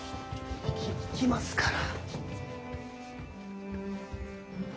行き行きますから。